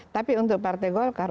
tapi untuk partai golkar